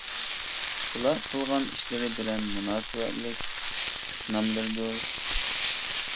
بۇلار قىلغان ئىشلىرى بىلەن مۇناسىۋەتلىك ناملىرىدۇر.